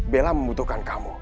bella membutuhkan kamu